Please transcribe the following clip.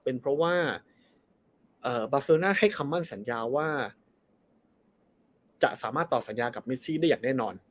เป็นเพราะว่าบาเซอร์น่าให้คำมั่นสัญญาว่าจะสามารถต่อสัญญากับมิชชี่ได้อย่างแน่นอน